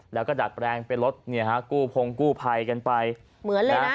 แล้วก็ดัดแปลงเป็นรถเนี่ยฮะกู้พงกู้ภัยกันไปเหมือนเลยนะ